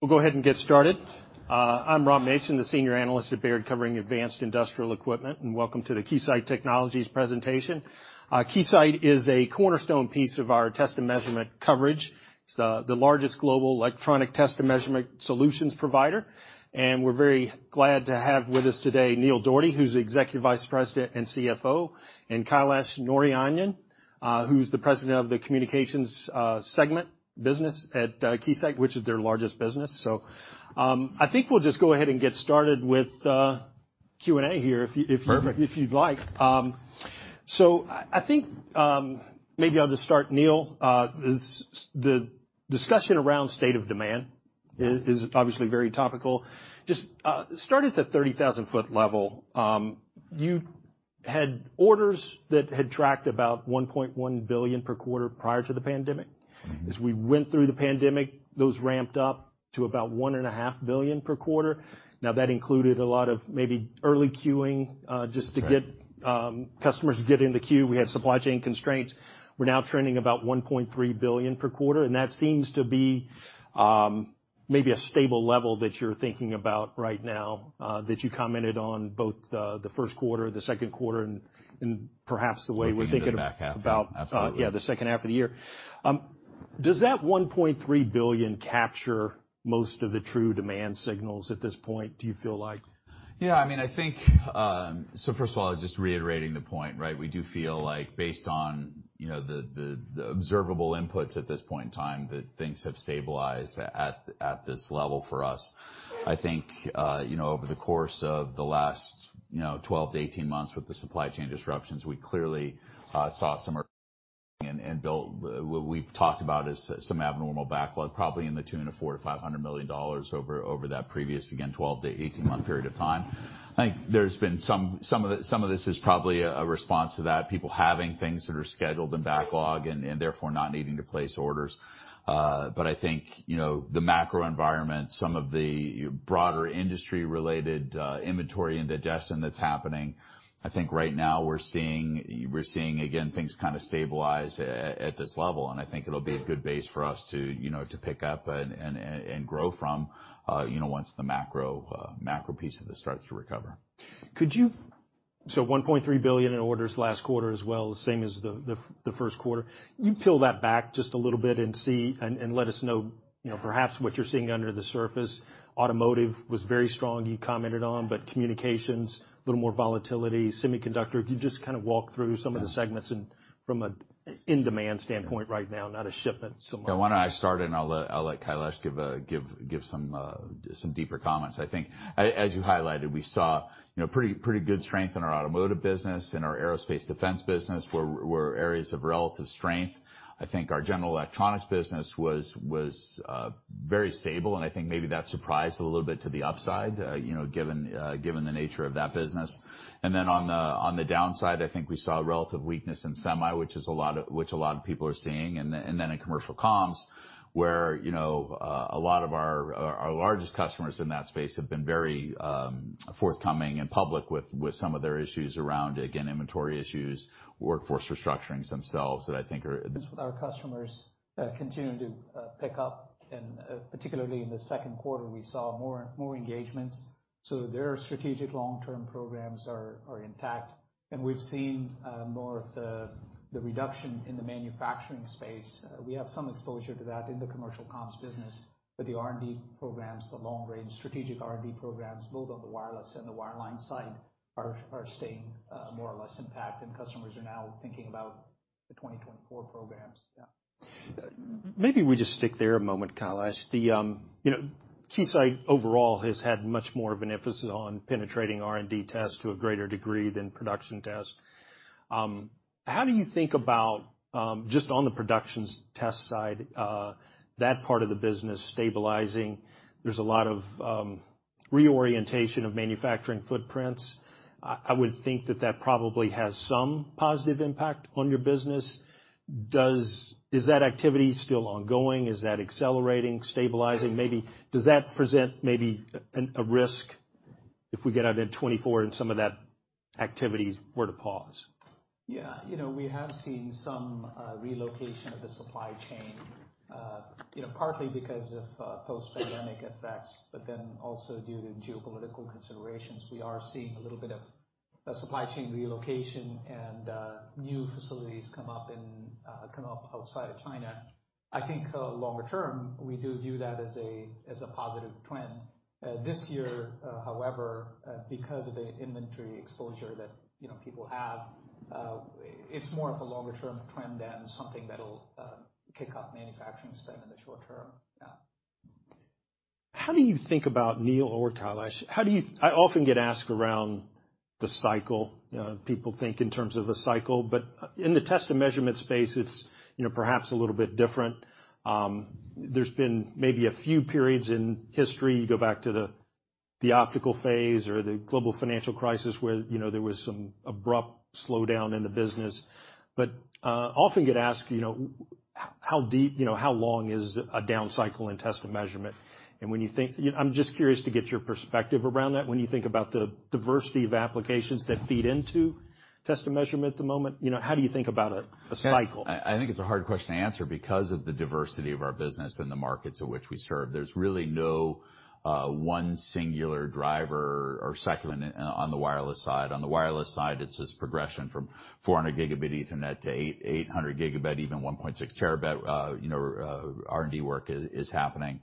We'll go ahead and get started. I'm Rob Mason, the senior analyst at Baird, covering advanced industrial equipment, and welcome to the Keysight Technologies presentation. Keysight is a cornerstone piece of our test and measurement coverage. It's the largest global electronic test and measurement solutions provider, and we're very glad to have with us today, Neil Dougherty, who's the Executive Vice President and CFO, and Kailash Narayanan, who's the President of the Communications Segment business at Keysight, which is their largest business. I think we'll just go ahead and get started with Q&A here. Perfect. if you'd like. I think, maybe I'll just start, Neil. The discussion around state of demand is obviously very topical. Just start at the 30,000 foot level. You had orders that had tracked about $1.1 billion per quarter prior to the pandemic. Mm-hmm. As we went through the pandemic, those ramped up to about $1.5 billion per quarter. That included a lot of maybe early queuing. That's right. Just to get, customers to get in the queue. We had supply chain constraints. We're now trending about $1.3 billion per quarter, that seems to be, maybe a stable level that you're thinking about right now, that you commented on both, the first quarter, the second quarter, and perhaps the way we're thinking. Looking at the back half. -about- Absolutely. Yeah, the second half of the year. Does that $1.3 billion capture most of the true demand signals at this point, do you feel like? Yeah, I mean, I think, first of all, just reiterating the point, right? We do feel like based on, you know, the observable inputs at this point in time, that things have stabilized at this level for us. I think, you know, over the course of the last, you know, 12 to 18 months with the supply chain disruptions, we clearly saw some and built what we've talked about as some abnormal backlog, probably in the tune of $400 million-$500 million over that previous, again, 12 to 18-month period of time. I think there's been some of it, some of this is probably a response to that, people having things that are scheduled in backlog and therefore not needing to place orders. I think, you know, the macro environment, some of the broader industry-related, inventory and digestion that's happening, I think right now we're seeing, again, things kind of stabilize at this level, and I think it'll be a good base for us to, you know, to pick up and grow from, you know, once the macro piece of this starts to recover. $1.3 billion in orders last quarter as well, the same as the first quarter. Can you peel that back just a little bit and see and let us know, you know, perhaps what you're seeing under the surface? Automotive was very strong, you commented on, communications, a little more volatility. Semiconductor. Yeah segments and from a in-demand standpoint right now, not a shipment standpoint? Yeah. Why don't I start, and I'll let Kailash give some deeper comments. I think as you highlighted, we saw, you know, pretty good strength in our automotive business and our aerospace defense business, were areas of relative strength. I think our general electronics business was very stable, and I think maybe that surprised a little bit to the upside, you know, given the nature of that business. Then on the downside, I think we saw a relative weakness in semi, which a lot of people are seeing. Then in commercial comms, where, you know, a lot of our largest customers in that space have been very forthcoming and public with some of their issues around, again, inventory issues, workforce restructurings themselves that I think. Our customers continuing to pick up, particularly in the second quarter, we saw more engagements. Their strategic long-term programs are intact, and we've seen more of the reduction in the manufacturing space. We have some exposure to that in the commercial Comms business, but the R&D programs, the long-range strategic R&D programs, both on the wireless and the wireline side, are staying more or less intact. Customers are now thinking about the 2024 programs. Yeah. Maybe we just stick there a moment, Kailash. You know, Keysight overall has had much more of an emphasis on penetrating R&D test to a greater degree than production test. How do you think about just on the production test side, that part of the business stabilizing? There's a lot of reorientation of manufacturing footprints. I would think that that probably has some positive impact on your business. Is that activity still ongoing? Is that accelerating, stabilizing? Maybe does that present a risk if we get out into 2024 and some of that activities were to pause? You know, we have seen some relocation of the supply chain, you know, partly because of post-pandemic effects, but then also due to geopolitical considerations. We are seeing a little bit of a supply chain relocation and new facilities come up outside of China. I think, longer term, we do view that as a positive trend. This year, however, because of the inventory exposure that, you know, people have, it's more of a longer-term trend than something that'll kick up manufacturing spend in the short term. How do you think about, Neil or Kailash, how do you I often get asked around the cycle? You know, people think in terms of a cycle, but, in the test and measurement space, it's, you know, perhaps a little bit different. There's been maybe a few periods in history, you go back to the optical phase or the global financial crisis, where, you know, there was some abrupt slowdown in the business. Often get asked, you know, how deep, you know, how long is a down cycle in test and measurement? When you think, I'm just curious to get your perspective around that. When you think about the diversity of applications that feed into test and measurement at the moment, you know, how do you think about a cycle? I think it's a hard question to answer because of the diversity of our business and the markets in which we serve. There's really no one singular driver or sector on the wireless side. On the wireless side, it's this progression from 400 Gigabit Ethernet to 800 Gigabit Ethernet, even 1.6 Terabit Ethernet. You know, R&D work is happening.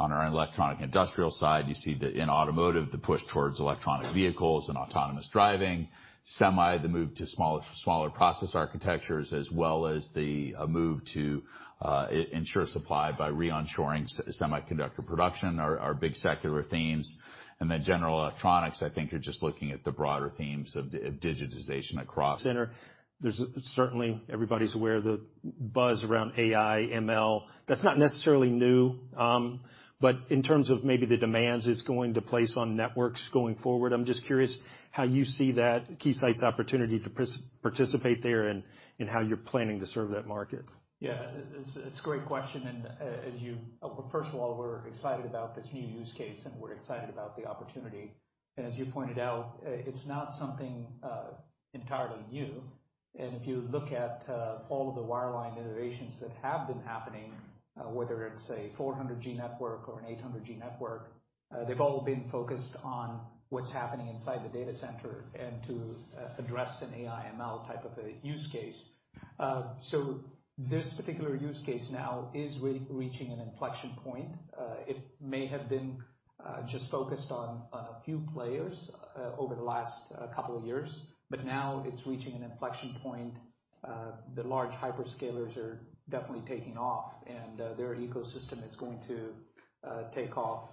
On our electronic industrial side, you see that in automotive, the push towards electronic vehicles and autonomous driving. Semi, the move to smaller process architectures, as well as the move to ensure supply by re-onshoring semiconductor production are big sector themes. General electronics, I think you're just looking at the broader themes of digitization across. There's certainly, everybody's aware of the buzz around AI, ML. That's not necessarily new, but in terms of maybe the demands it's going to place on networks going forward, I'm just curious how you see that Keysight's opportunity to participate there and how you're planning to serve that market? Yeah, it's a great question, and as you first of all, we're excited about this new use case, and we're excited about the opportunity. As you pointed out, it's not something entirely new. If you look at all of the wireline innovations that have been happening, whether it's a 400G network or an 800G network, they've all been focused on what's happening inside the data center and to address an AI/ML type of a use case. This particular use case now is reaching an inflection point. It may have been just focused on a few players over the last couple of years, but now it's reaching an inflection point. The large hyperscalers are definitely taking off, and their ecosystem is going to take off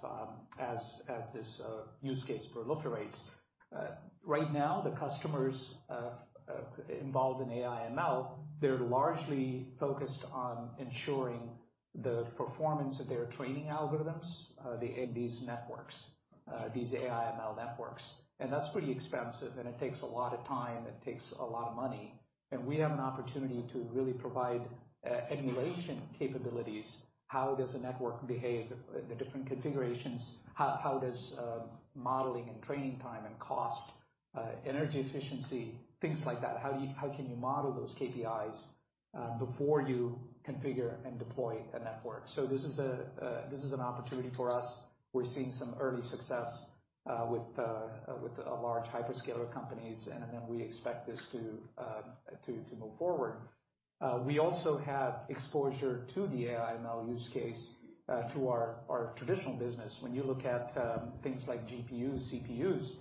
as this use case proliferates. Right now, the customers involved in AI ML, they're largely focused on ensuring the performance of their training algorithms in these networks, these AI ML networks. That's pretty expensive, and it takes a lot of time, it takes a lot of money, and we have an opportunity to really provide emulation capabilities. How does the network behave, the different configurations? How does modeling and training time and cost, energy efficiency, things like that, how can you model those KPIs before you configure and deploy a network? This is an opportunity for us. We're seeing some early success with the large hyperscaler companies, we expect this to move forward. We also have exposure to the AI ML use case through our traditional business. When you look at things like GPUs, CPUs,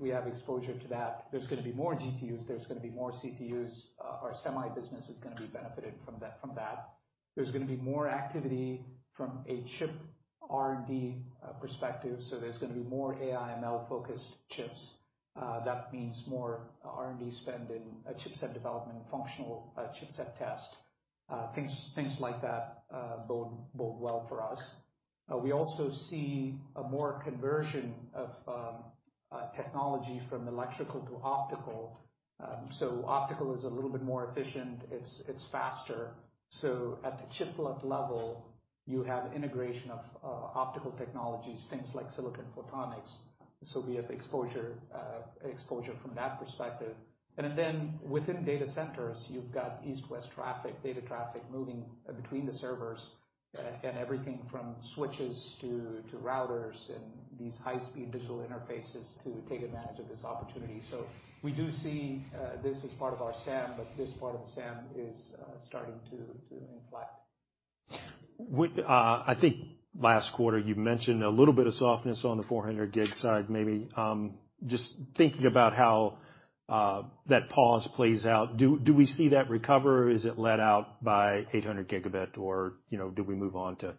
we have exposure to that. There's going to be more GPUs, there's going to be more CPUs. Our semi business is going to be benefited from that. There's going to be more activity from a chip R&D perspective, there's going to be more AI ML-focused chips. That means more R&D spend in a chipset development, functional, chipset test. Things like that bode well for us. We also see a more conversion of technology from electrical to optical. Optical is a little bit more efficient. It's faster. At the chip level, you have integration of optical technologies, things like silicon photonics. We have exposure from that perspective. Within data centers, you've got east-west traffic, data traffic, moving between the servers, and everything from switches to routers and these high-speed digital interfaces to take advantage of this opportunity. We do see this as part of our SAM, but this part of the SAM is starting to inflate. With, I think last quarter, you mentioned a little bit of softness on the 400G side, maybe. Just thinking about how that pause plays out, do we see that recover, or is it led out by 800 Gigabit Ethernet, or, you know, do we move on to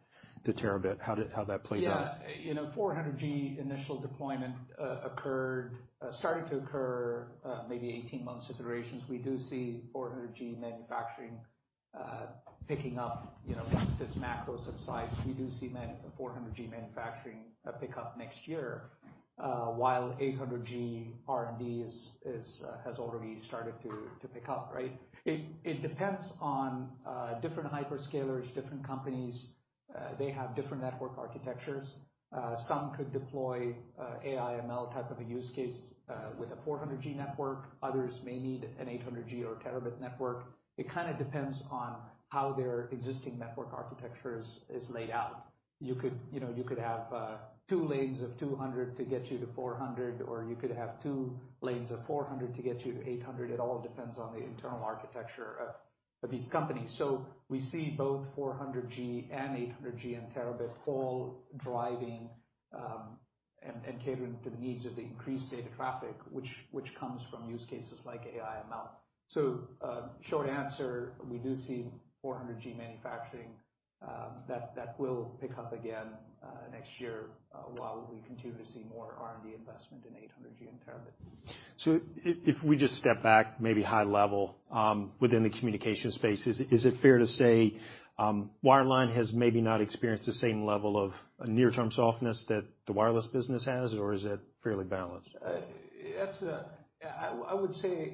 terabit? How that plays out? You know, 400G initial deployment occurred, started to occur, maybe 18 months iterations. We do see 400G manufacturing picking up, you know, once this macro subsides. We do see 400G manufacturing pick up next year, while 800G R&D is already started to pick up, right? It depends on different hyperscalers, different companies. They have different network architectures. Some could deploy AI ML type of a use case with a 400G network. Others may need an 800G or terabit network. It kind of depends on how their existing network architecture is laid out. You could, you know, you could have two lanes of 200 to get you to 400, or you could have two lanes of 400 to get you to 800. It all depends on the internal architecture of these companies. We see both 400G and 800G and Terabit all driving and catering to the needs of the increased data traffic, which comes from use cases like AI ML. Short answer, we do see 400G manufacturing that will pick up again next year, while we continue to see more R&D investment in 800G and Terabit. If we just step back, maybe high level, within the communication space, is it fair to say, wireline has maybe not experienced the same level of near-term softness that the wireless business has, or is it fairly balanced? I would say,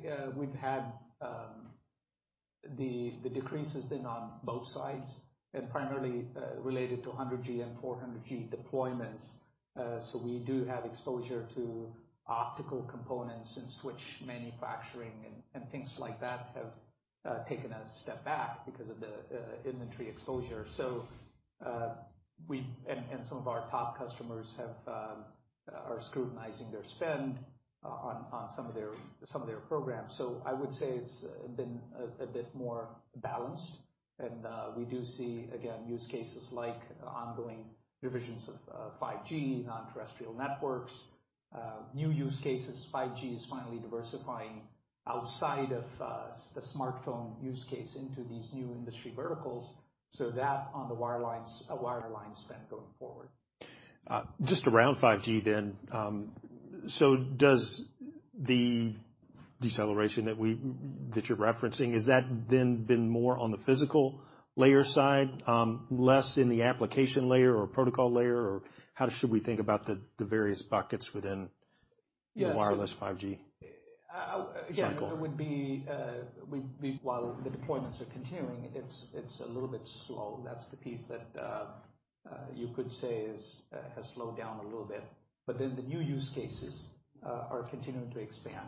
the decrease has been on both sides and primarily related to 100G and 400G deployments. We do have exposure to optical components and switch manufacturing and things like that have taken a step back because of the inventory exposure. Some of our top customers are scrutinizing their spend on some of their programs. I would say it's been a bit more balanced. We do see, again, use cases like ongoing revisions of 5G, non-terrestrial networks, new use cases. 5G is finally diversifying outside of the smartphone use case into these new industry verticals, so that on the wireline spend going forward. Just around 5G then, does the deceleration that you're referencing, is that then been more on the physical layer side, less in the application layer or protocol layer? How should we think about the various buckets within the wireless 5G? Yeah. Cycle. Again, it would be, while the deployments are continuing, it's a little bit slow. That's the piece that you could say is has slowed down a little bit. The new use cases are continuing to expand.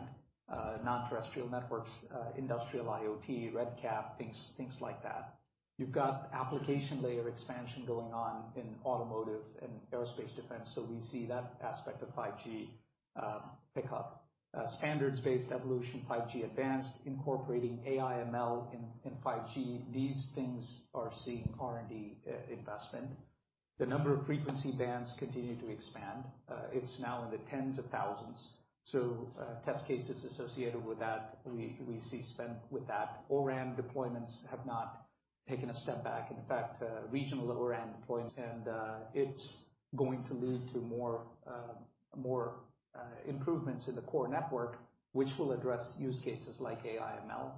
Non-terrestrial networks, industrial IoT, RedCap, things like that. You've got application layer expansion going on in automotive and aerospace defense, so we see that aspect of 5G pick up. Standards-based evolution, 5G Advanced, incorporating AI, ML in 5G, these things are seeing R&D investment. The number of frequency bands continue to expand. It's now in the tens of thousands. Test cases associated with that, we see spend with that. O-RAN deployments have not taken a step back. In fact, regional O-RAN deployments, and it's going to lead to more improvements in the core network, which will address use cases like AI, ML,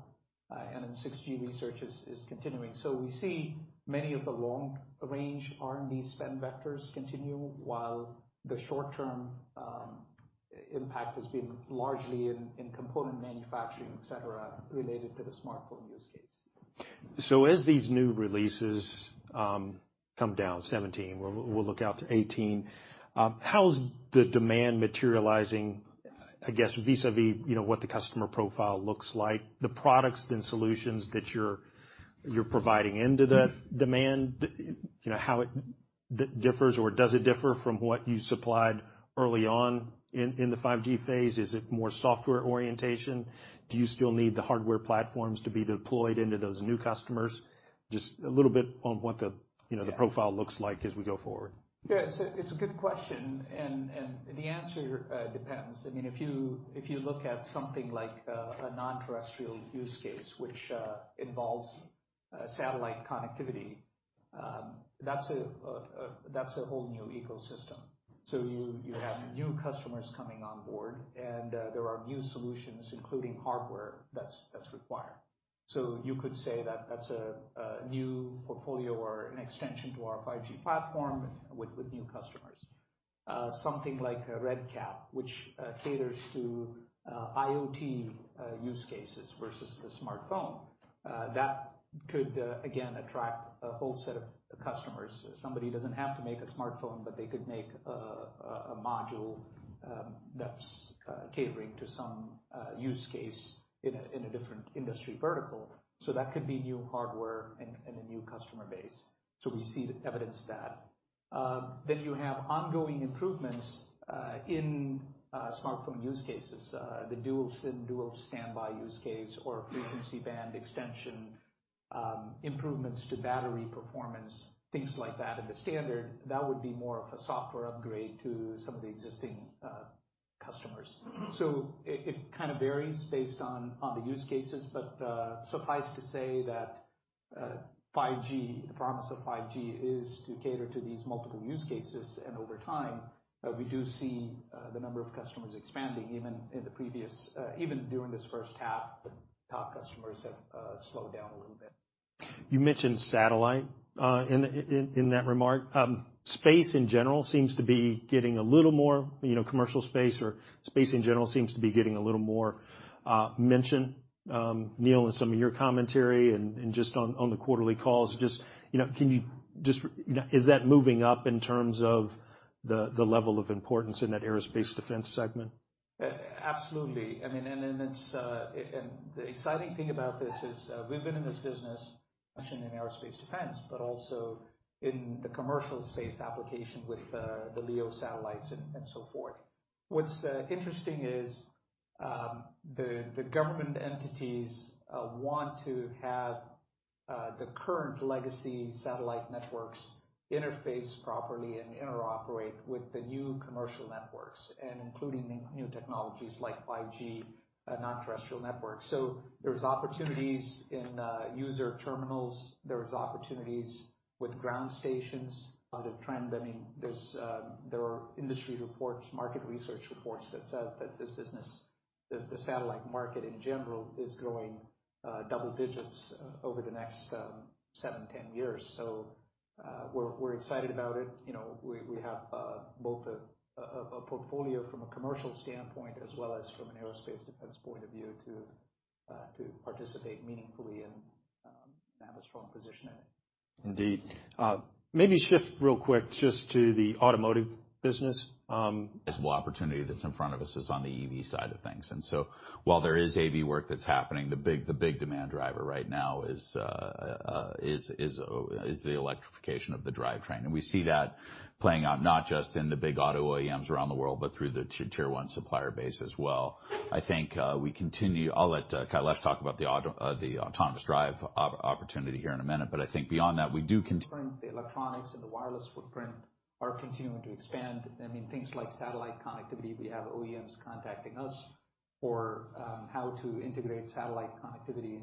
and then 6G research is continuing. We see many of the long range R&D spend vectors continue, while the short term, impact has been largely in component manufacturing, et cetera, related to the smartphone use case. As these new releases come down 17, we'll look out to 18. How's the demand materializing, I guess, vis-a-vis, you know, what the customer profile looks like, the products then solutions that you're providing into that demand, you know, how it differs or does it differ from what you supplied early on in the 5G phase? Is it more software orientation? Do you still need the hardware platforms to be deployed into those new customers? Just a little bit on what the, you know, the profile looks like as we go forward. Yeah, it's a good question, and the answer depends. I mean, if you look at something like a non-terrestrial use case, which involves satellite connectivity, that's a whole new ecosystem. You have new customers coming on board, and there are new solutions, including hardware that's required. You could say that that's a new portfolio or an extension to our 5G platform with new customers. Something like RedCap, which caters to IoT use cases versus the smartphone. That could again attract a whole set of customers. Somebody doesn't have to make a smartphone, but they could make a module that's catering to some use case in a different industry vertical. That could be new hardware and a new customer base. We see the evidence of that. Then you have ongoing improvements in smartphone use cases, the Dual SIM Dual Standby use case or frequency band extension, improvements to battery performance, things like that. In the standard, that would be more of a software upgrade to some of the existing customers. It, it kind of varies based on the use cases, but suffice to say that 5G, the promise of 5G is to cater to these multiple use cases, and over time, we do see the number of customers expanding, even during this first half, the top customers have slowed down a little bit. You mentioned satellite in that remark. Space in general seems to be getting a little more, you know, commercial space or space in general, seems to be getting a little more mention. Neil, in some of your commentary and just on the quarterly calls, you know, can you just Is that moving up in terms of the level of importance in that aerospace defense segment? Absolutely. I mean, we've been in this business, actually, in aerospace defense, but also in the commercial space application with the LEO satellites and so forth. What's interesting is, the government entities want to have the current legacy satellite networks interface properly and interoperate with the new commercial networks, including new technologies like 5G non-terrestrial networks. There's opportunities in user terminals, there's opportunities with ground stations as a trend. I mean, there's, there are industry reports, market research reports that says that this business, the satellite market in general, is growing double digits over the next 7, 10 years. We're excited about it. You know, we have both a portfolio from a commercial standpoint as well as from an aerospace defense point of view, to participate meaningfully, have a strong position in it. Indeed. Maybe shift real quick just to the automotive business. Visible opportunity that's in front of us is on the EV side of things. While there is AV work that's happening, the big demand driver right now is the electrification of the drivetrain. We see that playing out not just in the big auto OEMs around the world, but through the tier one supplier base as well. I think we continue-- I'll let Kailash talk about the auto, the autonomous drive opportunity here in a minute. I think beyond that, we do continue- The electronics and the wireless footprint are continuing to expand. I mean, things like satellite connectivity, we have OEMs contacting us for how to integrate satellite connectivity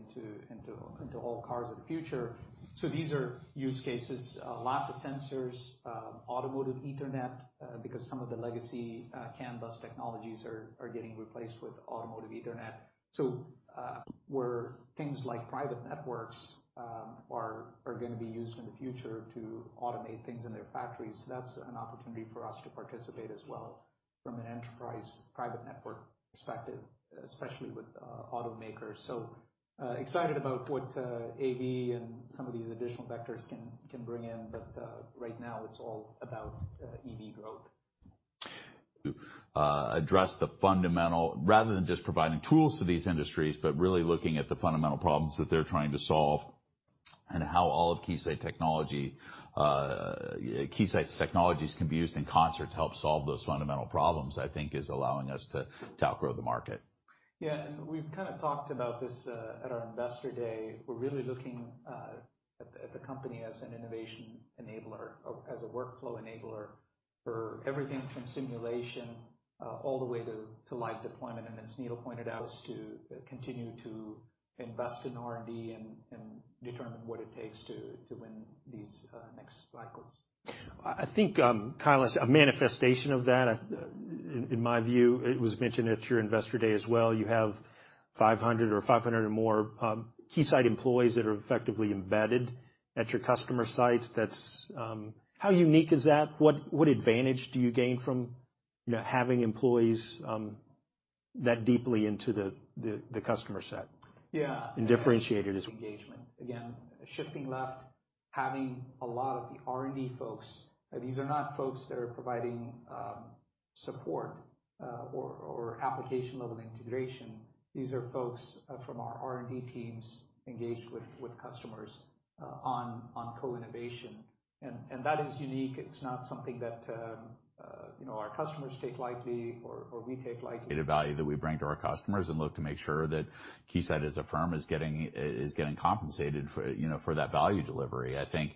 into all cars of the future. These are use cases, lots of sensors, Automotive Ethernet, because some of the legacy CAN bus technologies are getting replaced with Automotive Ethernet. Where things like private networks are gonna be used in the future to automate things in their factories, that's an opportunity for us to participate as well from an enterprise private network perspective, especially with automakers. Excited about what AV and some of these additional vectors can bring in, but right now it's all about EV growth. Rather than just providing tools to these industries, but really looking at the fundamental problems that they're trying to solve, and how all of Keysight technology, Keysight's technologies can be used in concert to help solve those fundamental problems, I think is allowing us to outgrow the market. Yeah, and we've kind of talked about this at our Investor Day. We're really looking at the company as an innovation enabler or as a workflow enabler for everything from simulation all the way to live deployment. As Neil pointed out, is to continue to invest in R&D and determine what it takes to win these next cycles. I think, Kailash, a manifestation of that, in my view, it was mentioned at your Investor Day as well. You have 500 or 500 and more, Keysight employees that are effectively embedded at your customer sites. That's, how unique is that? What advantage do you gain from, you know, having employees, that deeply into the customer set? Yeah. differentiate it. Engagement. Again, shifting left, having a lot of the R&D folks, these are not folks that are providing support or application level integration. These are folks from our R&D teams engaged with customers on co-innovation. That is unique. It's not something that, you know, our customers take lightly or we take lightly. Create a value that we bring to our customers and look to make sure that Keysight, as a firm, is getting compensated for, you know, for that value delivery. I think,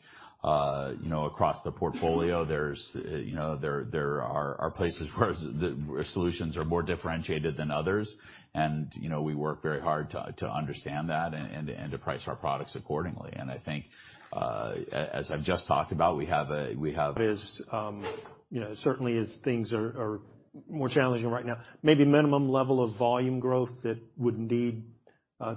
you know, across the portfolio, there's, you know, there are places where solutions are more differentiated than others. You know, we work very hard to understand that and to price our products accordingly. I think, as I've just talked about. Is, you know, certainly as things are more challenging right now, maybe minimum level of volume growth that would need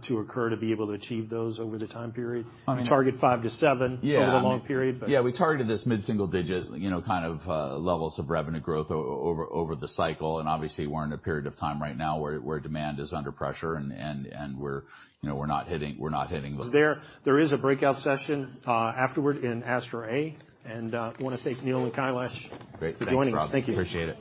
to occur to be able to achieve those over the time period? I mean. Target 5 to 7- Yeah. Over the long period. Yeah, we targeted this mid-single digit, you know, kind of, levels of revenue growth over the cycle. Obviously, we're in a period of time right now where demand is under pressure and we're, you know, we're not hitting. There is a breakout session, afterward in Astra A. I wanna thank Neil and Kailash. Great. For joining us. Thanks, Rob. Thank you. Appreciate it.